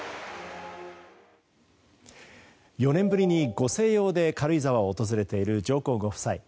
４年ぶりに、ご静養で軽井沢を訪れている上皇ご夫妻。